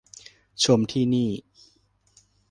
ชมที่นี่